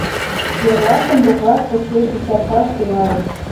Эрлашым доклад почеш ӱчашаш тӱҥальыч.